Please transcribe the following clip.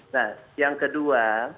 nah yang kedua